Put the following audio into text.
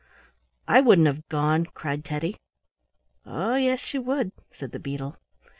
"I wouldn't have gone," cried Teddy. "Oh, yes you would," said the beetle.